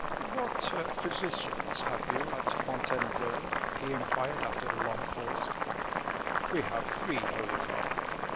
"What physicians have you at Fontainebleau?" he inquired, after a long pause. "We have three, holy father."